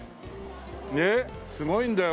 ねえすごいんだよ